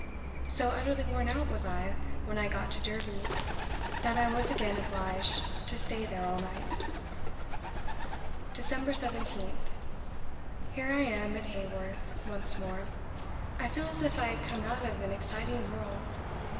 So utterly worn out was I when I got to Derby, that I was again obliged to stay there all night." "Dec. 17th. "Here I am at Haworth once more. I feel as if I had come out of an exciting whirl.